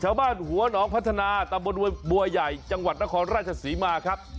ชาวบ้านหัวหนองพัฒนาตำบลบัวใหญ่จังหวัดนครราชศรีมาครับ